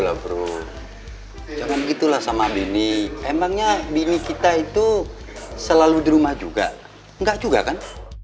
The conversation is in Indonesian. lah bro jangan gitu lah sama bini emangnya bini kita itu selalu di rumah juga enggak juga kan